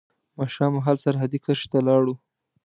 ماښام مهال سرحدي کرښې ته ولاړو.